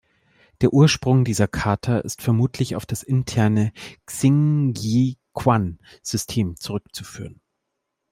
Der Ursprung dieser Kata ist vermutlich auf das interne Xingyiquan-System zurückzuführen.